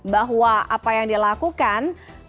bahwa apa yang dilakukan